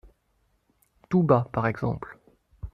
Tout bas, par exemple.